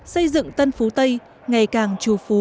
xây dựng tân phú tây ngày càng trù phú ấm no